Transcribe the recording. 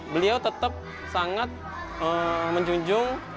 beliau tetap sangat menjunjung